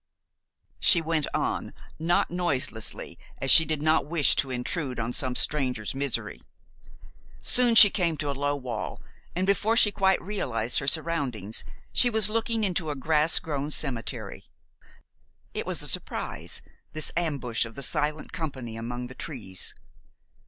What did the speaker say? She went on, not noiselessly, as she did not wish to intrude on some stranger's misery. Soon she came to a low wall, and, before she quite realized her surroundings, she was looking into a grass grown cemetery. It was a surprise, this ambush of the silent company among the trees.